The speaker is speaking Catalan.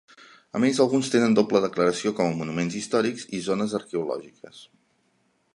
A més, alguns tenen doble declaració com a monuments històrics i zones arqueològiques.